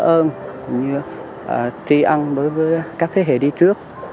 cũng như tri ân với các thế hệ đi trước